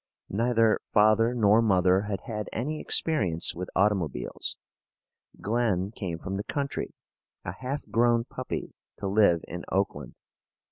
Neither father nor mother had had any experience with automobiles. Glen came from the country, a half grown puppy, to live in Oakland.